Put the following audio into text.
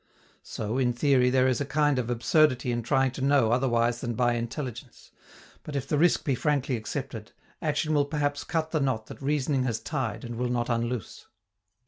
So, in theory, there is a kind of absurdity in trying to know otherwise than by intelligence; but if the risk be frankly accepted, action will perhaps cut the knot that reasoning has tied and will not unloose.